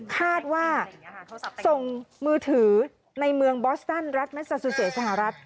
คาดว่าส่งมือถือในเมืองบอสตันรัฐเม็ซาซูเซสหรัฐ